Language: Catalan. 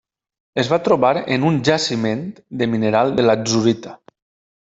Es va trobar en un jaciment de mineral de latzurita.